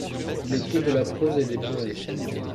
Il écrit de la prose et des poèmes.